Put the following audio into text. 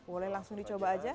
boleh langsung dicoba aja